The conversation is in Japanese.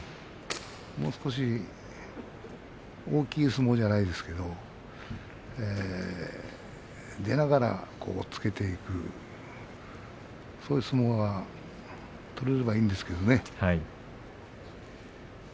もう少し大きい相撲ではないですが出ながら押っつけていくそういう相撲が取れればいいんですけどね。